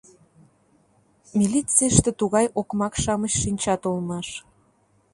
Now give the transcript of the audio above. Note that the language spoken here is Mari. Милицийыште тугай окмак-шамыч шинчат улмаш.